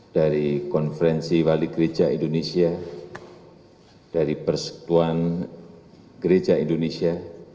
dari konferensi wali gereja indonesia dari persekuan gereja indonesia